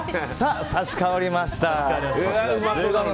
差し替わりました。